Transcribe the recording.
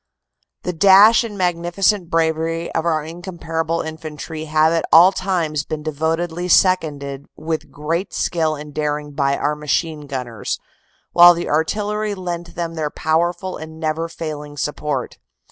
"The dash and magnificent bravery of our incomparable Infantry have at all times been devotedly seconded with great skill and daring by our Machine Gunners, while the Artillery lent them their powerful and never failing support.